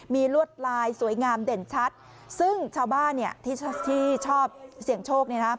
มีลวดลายสวยงามเด่นชัดซึ่งชาวบ้านเนี่ยที่ชอบเสี่ยงโชคเนี่ยนะ